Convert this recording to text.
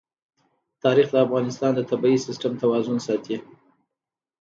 تاریخ د افغانستان د طبعي سیسټم توازن ساتي.